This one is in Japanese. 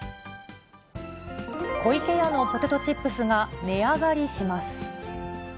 湖池屋のポテトチップスが値上がりします。